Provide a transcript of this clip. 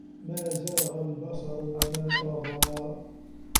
ما زاغَ البَصَرُ وَما طَغى